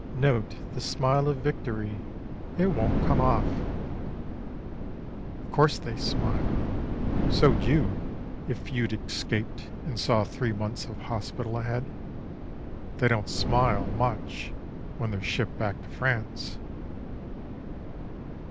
Note The smile of victory: it won't come off" (Of course they smile; so'd you, if you'd escaped, And saw three months of hospital ahead.... They don't smile, much, when they're shipped back to France!)